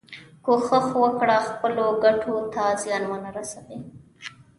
کوښښ وکړه خپلو ګټو ته زیان ونه رسوې.